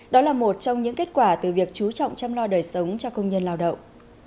đó là một trong những kết quả từ việc chú trọng chăm lo đời sống cho công nhân lao động